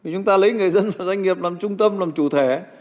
chúng ta lấy người dân và doanh nghiệp làm trung tâm làm chủ thể